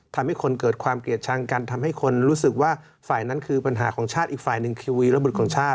ทำให้คนเกิดความเกลียดชังกันทำให้คนรู้สึกว่าฝ่ายนั้นคือปัญหาของชาติอีกฝ่ายหนึ่งทีวีและบุตรของชาติ